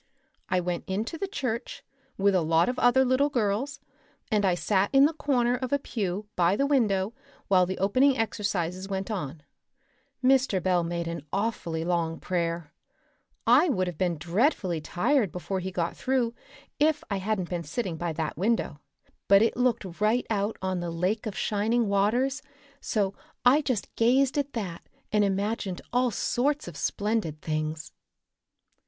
I went into the church, with a lot of other little girls, and I sat in the corner of a pew by the window while the opening exercises went on. Mr. Bell made an awfully long prayer. I would have been dreadfully tired before he got through if I hadn't been sitting by that window. But it looked right out on the Lake of Shining Waters, so I just gazed at that and imagined all sorts of splendid things."